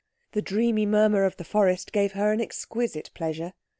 The dreamy murmur of the forest gave her an exquisite pleasure.